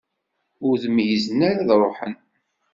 Ur d-meyyzen ara ad ruḥen.